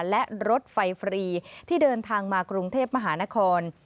และรถไฟฟรีที่เดินทางมากรุงเทพมหานคร